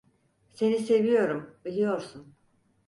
Seni seviyorum, biliyorsun.